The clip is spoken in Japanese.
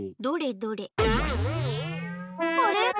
どれどれ。